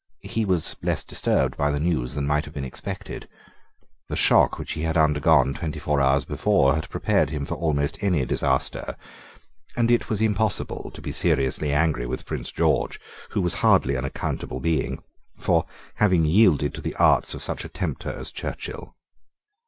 He was less disturbed by the news than might have been expected. The shock which he had undergone twenty four hours before had prepared him for almost any disaster; and it was impossible to be seriously angry with Prince George, who was hardly an accountable being, for having yielded to the arts of such a tempter as Churchill.